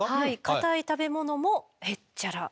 硬い食べ物もへっちゃら。